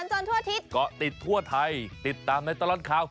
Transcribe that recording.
สวัสดีครับก็ติดทั่วไทยติดตามในตลอดคาว